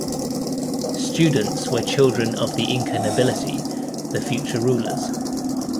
Students were children of the Inca nobility, the future rulers.